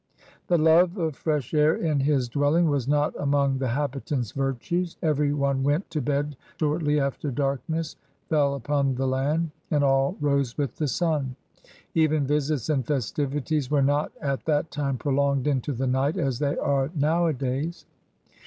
The love of fresh air in his dwelling was not among the habitant's virtues. Every one went to bed shortly after darkness fell upon the land, and all rose with the sim. Even visits and festivi ties were not at that time prolonged into the night as they are nowadays.